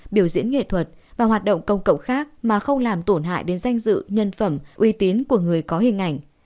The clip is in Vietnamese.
biểu diễn nghệ thuật và hoạt động công cộng khác mà không làm tổn hại đến danh dự nhân phẩm uy tín của người có hình ảnh